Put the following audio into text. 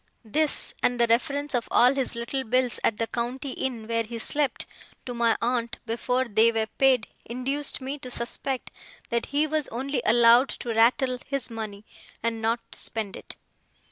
This, and the reference of all his little bills at the county inn where he slept, to my aunt, before they were paid, induced me to suspect that he was only allowed to rattle his money, and not to spend it.